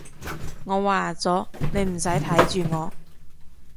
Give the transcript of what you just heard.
我話咗，你唔使睇住我